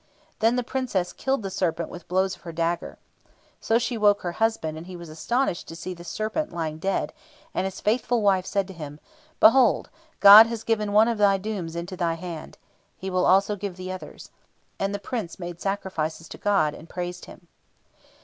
Then the Princess killed the serpent with blows of her dagger. So she woke her husband, and he was astonished to see the serpent lying dead, and his faithful wife said to him, "Behold, God has given one of thy dooms into thy hand; He will also give the others." And the Prince made sacrifice to God, and praised Him.